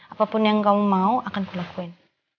apapun yang kamu mau akan kulakuin